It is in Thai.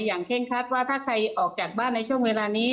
อย่างเช่งครัสว่าท่าใครออกจากบ้านในช่วงเวลานี้